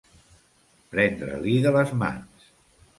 Prendre-li de les mans.